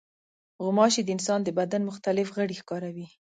غوماشې د انسان د بدن مختلف غړي ښکاروي.